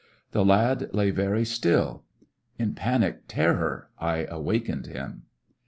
The lad lay very still. In panic terror I awakened him.